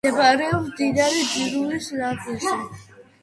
მდებარეობს მდინარე ძირულის ნაპირზე.